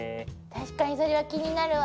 確かにそれは気になるわ。